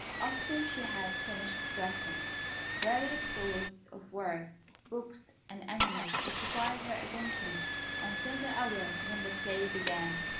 After she had finished dressing, various sorts of work, books, and animals occupied her attention until the hour when the play began.